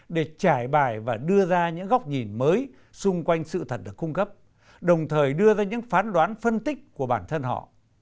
để trải bài và đưa ra những góc nhìn mới xung quanh sự thật được cung cấp đồng thời đưa ra những phán đoán phân tích của bản thân họ